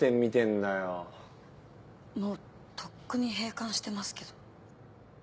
もうとっくに閉館してますけど。